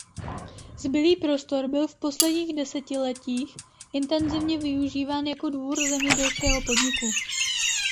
Zbylý prostor byl v posledních desetiletích intenzivně využíván jako dvůr zemědělského podniku.